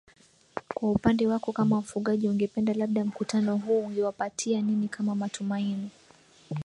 kwa upande wako kama mfugaji ungependa labda mkutano huu ungewapatia nini kama matumaini